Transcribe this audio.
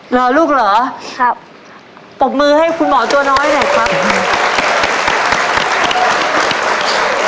เหรอลูกเหรอครับปรบมือให้คุณหมอตัวน้อยหน่อยครับ